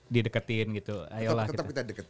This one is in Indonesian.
dideketin gitu ayolah kita